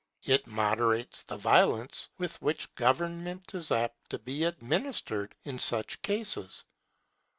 It moderates the violence with which government is apt to be administered in such cases.